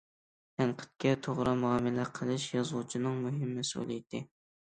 تەنقىدكە توغرا مۇئامىلە قىلىش يازغۇچىنىڭ مۇھىم مەسئۇلىيىتى.